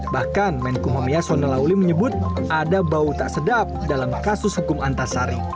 bahkan menko homiya sonelauli menyebut ada bau tak sedap dalam kasus hukum antasari